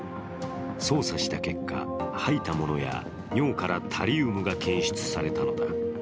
捜査した結果、吐いたものや尿からタリウムが検出されたのだ。